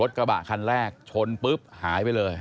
กระบะคันแรกชนปุ๊บหายไปเลย